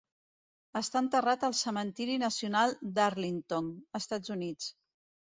Està enterrat al cementiri nacional d'Arlington, Estats Units.